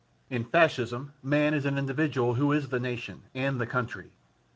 In Fascism man is an individual who is the nation and the country.